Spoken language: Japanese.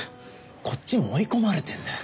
こっちも追い込まれてんだ。